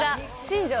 新庄！